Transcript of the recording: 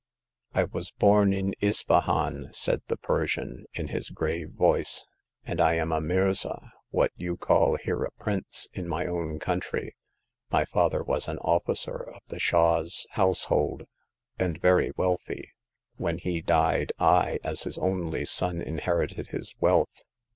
I was born in Ispahan," said the Persian, in his grave voice, and I am a Mirza — what you call here a prince — in my own country. My father was an officer of the Shah's household, . and very wealthy. When he died I, as his only son, inherited his wealth.